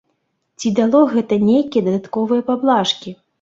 Ці дало гэта нейкія дадатковыя паблажкі?